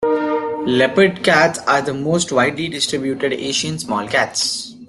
Leopard cats are the most widely distributed Asian small cats.